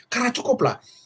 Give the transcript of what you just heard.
karena cukup lah